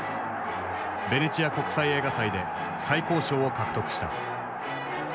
ベネチア国際映画祭で最高賞を獲得した。